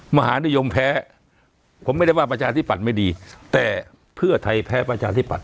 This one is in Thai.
มหานวงแพ้ผมไม่ได้ว่าปัจจาปัจจีไม่ดีแต่เพื่อไทยแภพประชาสิบัติ